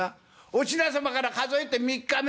「おしなさまから数えて３日目」。